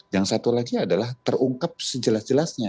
yang satu lagi adalah terungkap sejelas jelasnya